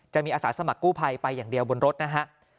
อาสาสมัครกู้ภัยไปอย่างเดียวบนรถนะฮะ